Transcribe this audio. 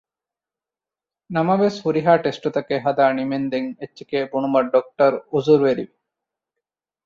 ނަމަވެސް ހުރިހާ ޓެސްޓުތަކެއް ހަދާ ނިމެންދެން އެއްޗެކޭ ބުނުމަށް ޑޮކްޓަރު އުޒުރުވެރި ވި